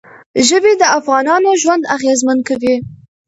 ژبې د افغانانو ژوند اغېزمن کوي.